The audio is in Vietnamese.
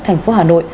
thành phố hà nội